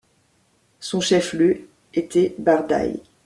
Son chef-lieu était Bardaï.